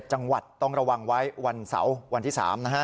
จังหวัดต้องระวังไว้วันเสาร์วันที่๓นะฮะ